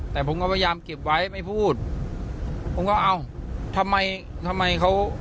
แต่ผมก็พยายามเก็บไว้ไม่พูดผมก็เอ้าทำไมทำไมเขา